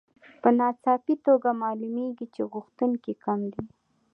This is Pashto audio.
په ناڅاپي توګه معلومېږي چې غوښتونکي کم دي